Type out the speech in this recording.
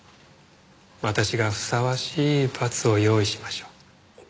私がふさわしい罰を用意しましょう。